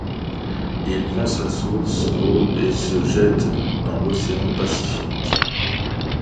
Il prend sa source au et se jette dans l'océan Pacifique.